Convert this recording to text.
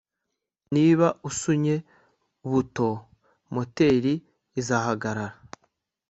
Niba usunye buto moteri izahagarara